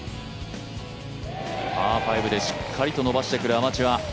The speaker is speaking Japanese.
パー５でしっかりと伸ばしてくるアマチュア。